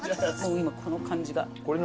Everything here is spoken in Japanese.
今この感じが。